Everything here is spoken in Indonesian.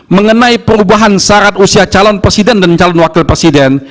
mengenai perubahan syarat usia calon presiden dan calon wakil presiden